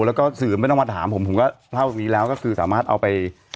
แล้วก็สื่อไม่ต้องมาถามผมผมก็เล่านี้แล้วก็คือสามารถเอาไป